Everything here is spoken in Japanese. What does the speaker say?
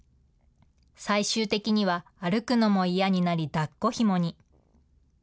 最終的には歩くのも嫌になり抱っこひもに。